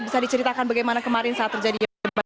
bisa diceritakan bagaimana kemarin saat terjadi